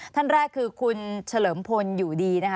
ท่านแรกคือคุณเฉลิมพลอยู่ดีนะคะ